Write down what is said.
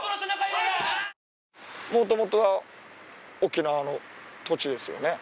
もともとは沖縄の土地ですよね。